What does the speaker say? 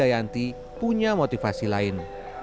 tapi jayanti punya motivasi lain